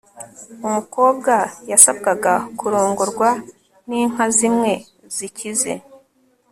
umukobwa yasabwaga kurongorwa ninka zimwe zikize